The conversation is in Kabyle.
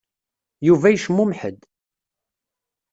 Yuba yecmumeḥ-d.